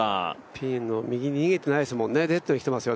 ピンの右逃げてないですもんね。